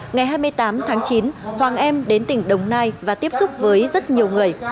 ngày hai mươi tám tháng chín hoàng em đến tỉnh đồng nai và tiếp xúc với rất nhiều người